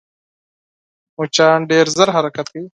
مچان ډېر ژر حرکت کوي